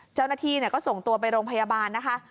เจ้าหน้าที่ก็ส่งตัวไปโรงพยาบาลนะคะ